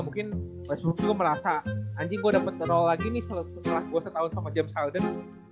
mungkin westbrook juga merasa anjing gua dapet role lagi nih setelah gua setahun sama james harden